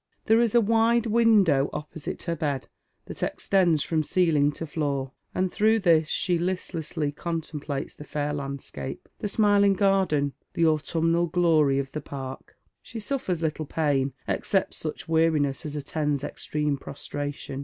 There is a wide window opposite her bed that extends from ceiling to floor, and through this she listlessly contemplates the fair landscape, the smiling garden, the autumnal glory of the park. She suffers little pain, except such weariness as attends extreme prostration.